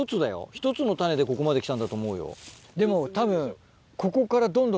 １つの種でここまできたんだと思うよ。